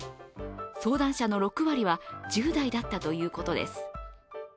相談者の６割は１０代だったということです。